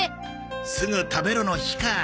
「すぐ！たべろ！！」の日か。